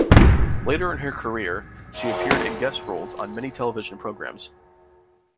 Later in her career, she appeared in guest roles on many television programs.